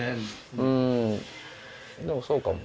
うんでもそうかも。